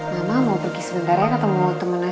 mama mau pergi sebentar ya ketemu temen asli